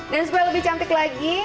dan supaya lebih cantik lagi